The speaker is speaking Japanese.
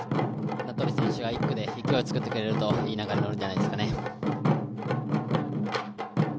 名取選手が１区で勢いをつけてくれると言い流れに乗るんじゃないですかね。